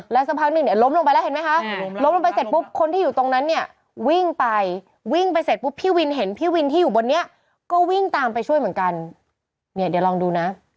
สักพักหนึ่งเนี่ยล้มลงไปแล้วเห็นไหมคะล้มลงไปเสร็จปุ๊บคนที่อยู่ตรงนั้นเนี่ยวิ่งไปวิ่งไปเสร็จปุ๊บพี่วินเห็นพี่วินที่อยู่บนนี้ก็วิ่งตามไปช่วยเหมือนกันเนี่ยเดี๋ยวลองดูนะ